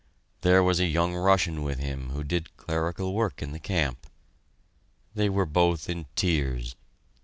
There was a young Russian with him who did clerical work in the camp. They were both in tears.